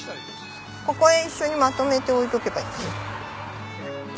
ここへ一緒にまとめて置いておけばいい。